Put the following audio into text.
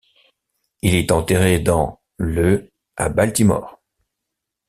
Il est enterré dans le à Baltimore.